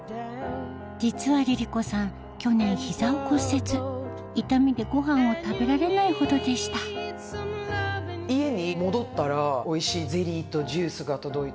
実はＬｉＬｉＣｏさん去年膝を骨折痛みでごはんを食べられないほどでした家に戻ったらおいしいゼリーとジュースが届いて。